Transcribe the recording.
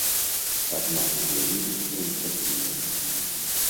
Аднак з'явіліся і такія.